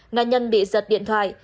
nạn nhân bị giật điện thoại